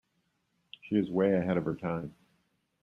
She is way ahead of her time.